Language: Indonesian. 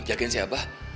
jagain si abah